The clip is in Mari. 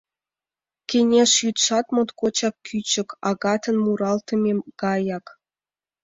Кеҥеж йӱдшат моткочак кӱчык, агытан муралтыме гаяк.